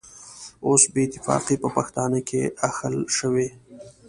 اوس بې اتفاقي په پښتانه کې اخښل شوې.